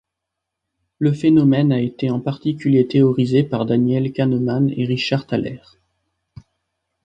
Le phénomène a été en particulier théorisé par Daniel Kahneman et Richard Thaler.